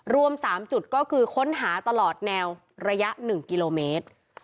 รวม๓จุดก็คือค้นหาตลอดแนวระยะ๑กิโลเมตร